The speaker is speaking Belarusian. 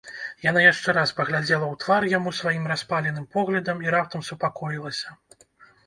Яна яшчэ раз паглядзела ў твар яму сваім распаленым поглядам і раптам супакоілася.